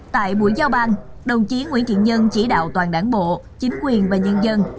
tại buổi giao bang đồng chí nguyễn thiện nhân chỉ đạo toàn đảng bộ chính quyền và nhân dân